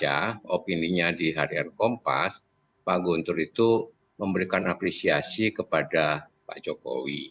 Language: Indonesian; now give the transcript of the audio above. ya opininya di harian kompas pak guntur itu memberikan apresiasi kepada pak jokowi